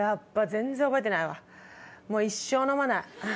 全然覚えてないわもう一生飲まない。